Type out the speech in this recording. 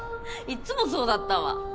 いっつもそうだったわ。